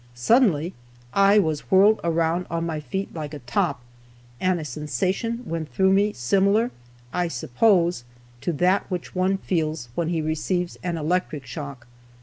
Suddenly I was whirled around on my feet like a top, and a sensation went through me similar, I suppose, to that which one feels when he receives an electric shock.